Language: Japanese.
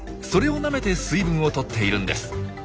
それをなめて水分をとっているんです。